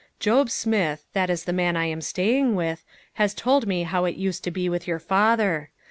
Job Smith that is the man I am staying with has told me how it used to be with your father.